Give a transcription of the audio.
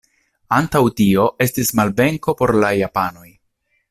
Ankaŭ tio estis malvenko por la japanoj.